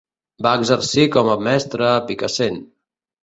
Va exercir com a mestre a Picassent.